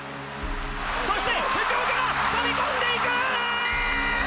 そして福岡が飛び込んでいく！